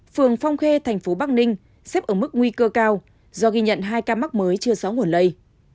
phường phong khê thành phố bắc ninh xếp ở mức nguy cơ cao do ghi nhận hai ca mắc mới chưa rõ nguồn lây